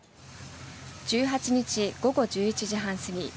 １８日午後１１時半過ぎ